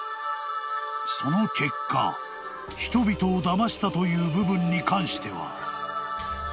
［その結果人々をだましたという部分に関しては］